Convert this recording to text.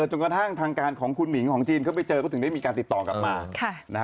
จนกระทั่งทางการของคุณหมิงของจีนเขาไปเจอก็ถึงได้มีการติดต่อกลับมา